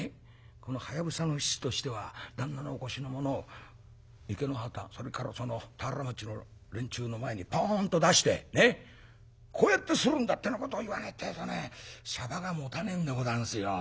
このはやぶさの七としては旦那のお腰のものを池之端それから田原町の連中の前にポンと出してこうやってするんだってなことを言わねえってえとねしゃばがもたねえんでござんすよ。